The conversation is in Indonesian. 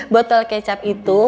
botol kecap itu